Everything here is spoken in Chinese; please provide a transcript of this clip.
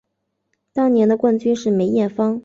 当年的冠军是梅艳芳。